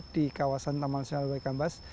di kawasan taman nasional waikambas